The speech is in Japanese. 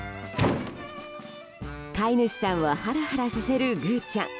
飼い主さんをハラハラさせるグウちゃん。